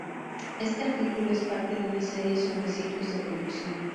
Este artículo es parte de una serie sobre ciclos de conducción